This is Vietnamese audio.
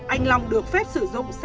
anh long được phép sử dụng xe